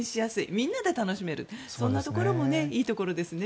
みんなで楽しめるところもいいところですね。